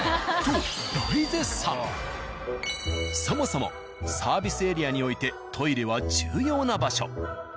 そもそもサービスエリアにおいてトイレは重要な場所。